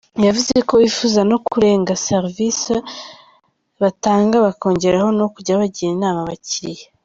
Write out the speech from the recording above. Yavuze ko bifuza no kurenga serivisi batanga, bakongeraho no kujya bagira inama abakiliya.